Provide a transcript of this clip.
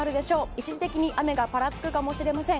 一時的に雨がぱらつくかもしれません。